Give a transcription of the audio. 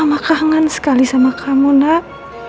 sama kangen sekali sama kamu nak